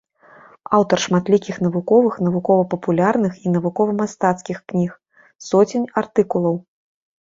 Аўтар шматлікіх навуковых, навукова-папулярных і навукова-мастацкіх кніг, соцень артыкулаў.